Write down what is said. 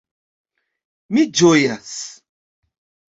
Mi ĝojas.